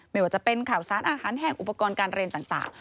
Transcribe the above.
ไม่ว่าจะเป็นข่าวสารอาหารแห้งอุปกรณ์การเรียนต่าง